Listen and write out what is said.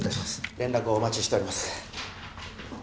連絡をお待ちしております